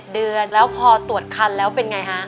เดือนแล้วพอตรวจคันแล้วเป็นไงฮะ